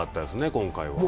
今回は。